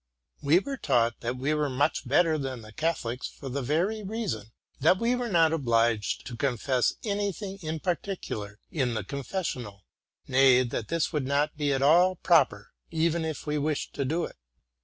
We were taught that we were much better than the Catholics for the very reason, that we were not obliged to confess any thing in particular in the confessional, — nay, that this would not be at all proper, even if we wished to do it.